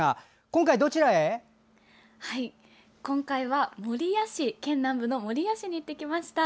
今回は県南部の守谷市に行ってきました。